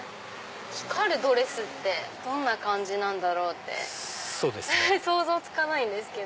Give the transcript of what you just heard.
光るドレスってどんな感じなんだろう？って想像つかないんですけど。